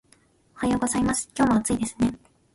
おはようございます。今日も暑いですね